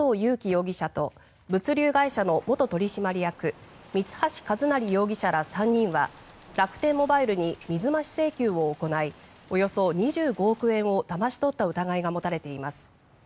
容疑者と物流会社の元取締役三橋一成容疑者ら３人は楽天モバイルに水増し請求を行いおよそ２５億円をだまし取った疑いが持たれています。